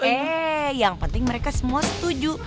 oke yang penting mereka semua setuju